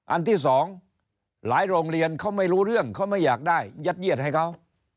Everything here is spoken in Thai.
อันที่สองหลายโรงเรียนเขาไม่รู้เรื่องเขาไม่อยากได้ยัดเยียดให้เขา